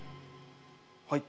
はい。